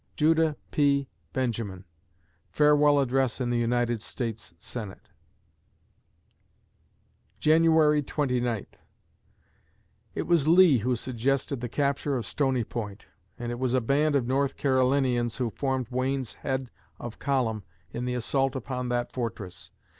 JUDAH P. BENJAMIN (Farewell Address in the United States Senate) January Twenty Ninth It was Lee who suggested the capture of Stony Point, and it was a band of North Carolinians who formed Wayne's head of column in the assault upon that fortress.